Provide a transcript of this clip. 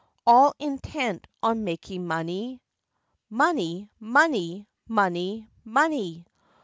All intent on making money. Money! money! money! money!